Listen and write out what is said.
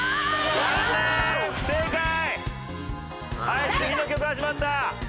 はい次の曲始まった。